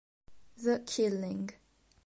The Killing